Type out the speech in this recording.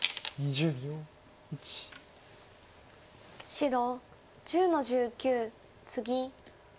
白１０の十九ツギ。